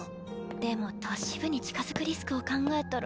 でも都市部に近づくリスクを考えたら。